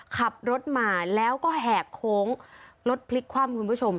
ขับรถมาแล้วก็แหกโค้งรถพลิกคว่ำคุณผู้ชม